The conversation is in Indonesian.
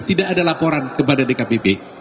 tidak ada laporan kepada dkpp